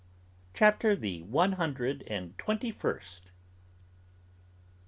'" CHAPTER THE ONE HUNDRED AND TWENTY FIRST.